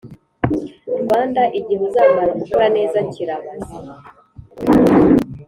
Rwanda igihe uzamara ukora neza kirabaze